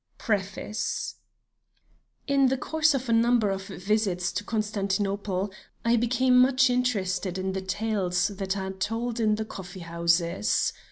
S.A. PREFACE In the course of a number of visits to Constantinople, I became much interested in the tales that are told in the coffee houses.